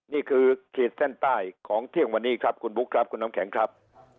ขีดเส้นใต้ของเที่ยงวันนี้ครับคุณบุ๊คครับคุณน้ำแข็งครับ